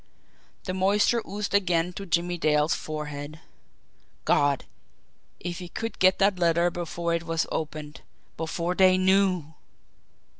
The moisture oozed again to Jimmie Dale's forehead. God, if he could get that letter before it was opened before they KNEW!